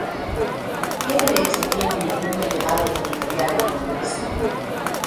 ¿Qué derecho tiene un Delegado Territorial en Congreso?